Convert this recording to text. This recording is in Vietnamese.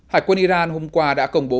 hải quân iran hôm qua đã công bố